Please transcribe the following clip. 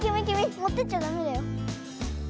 もってっちゃダメだよ。